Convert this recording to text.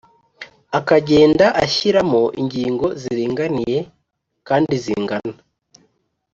akagenda ashyiramo inkingo ziringaniye kandi zingana